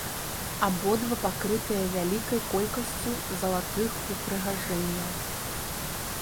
Абодва пакрытыя вялікай колькасцю залатых упрыгажэнняў.